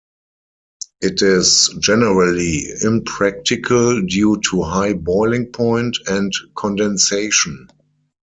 It is generally impractical due to high boiling point and condensation.